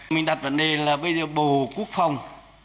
mình đặt vấn đề là bây giờ bộ quốc phòng